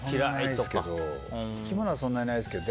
生き物はそんなにないですけど。